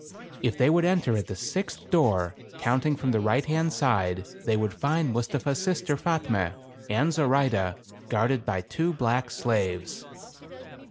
JK'If they would enter at the sixth door, counting from the right hand side, they would find Mustapha's sister Fatme? and Zoraide, guarded by two black slaves.